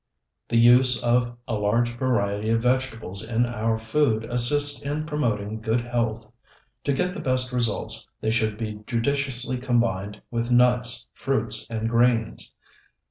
The use of a large variety of vegetables in our food assists in promoting good health. To get the best results, they should be judiciously combined with nuts, fruits, and grains.